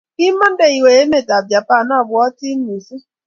ngimande iwe emetab Japan abwotin missing